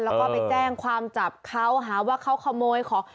แล้วก็ไปแจ้งความจับเขาหาว่าเขาขโมยของ